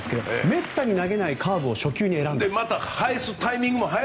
めったに投げないカーブを初球に選んだ。